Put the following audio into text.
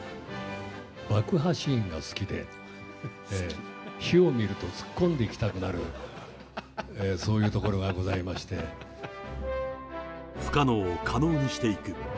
爆破シーンが好きで、火を見ると突っ込んでいきたくなる、そういうところがございまし不可能を可能にしていく。